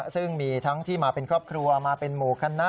ซึ่งมีทั้งที่มาเป็นครอบครัวมาเป็นหมู่คณะ